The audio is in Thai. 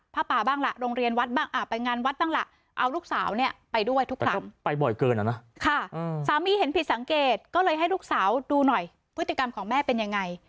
ผ้าป่าบ้างล่ะโรงเรียนวัดบ้างไปงานวัดบ้างล่ะเอาลูกสาวเนี่ยไปด้วยทุกครั้งไปบ่อยเกินอะนะค่ะสามีเห็นผิดสังเกตก็เลยให้ลูกสาวดูหน่อยพฤติกรรมของแม่เป็นยังไง